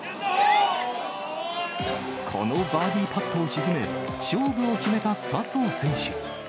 このバーディーパットを沈め、勝負を決めた笹生選手。